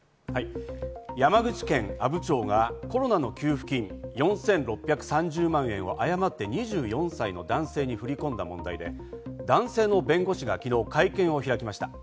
山口県阿武町がコロナの給付金４６３０万円を誤って２４歳の男性に振り込んだ問題で、男性の弁護士が昨日、会見を開きました。